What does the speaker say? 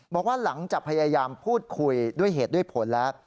บอกว่าหลังจากพยายามพูดคุยด้วยเหตุด้วยผลแล้ว